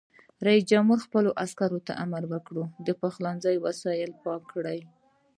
رئیس جمهور خپلو عسکرو ته امر وکړ؛ د پخلنځي وسایل پاک کړئ!